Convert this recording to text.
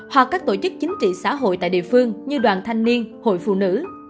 một trăm một mươi một hoặc các tổ chức chính trị xã hội tại địa phương như đoàn thanh niên hội phụ nữ